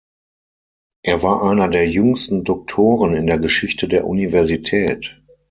Er war einer der jüngsten Doktoren in der Geschichte der Universität.